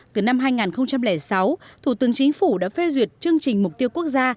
từ năm hai nghìn sáu thủ tướng chính phủ đã phê duyệt chương trình mục tiêu quốc gia